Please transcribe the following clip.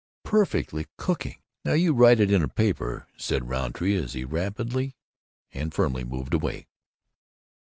Perfectly corking! Now you write it in a paper," said Rountree, as he rapidly and firmly moved away.